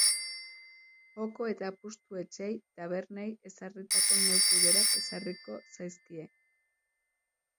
Joko eta apustu etxeei tabernei ezarritako neurri berak ezarriko zaizkie.